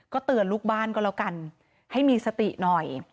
เตือนลูกบ้านก็แล้วกันให้มีสติหน่อย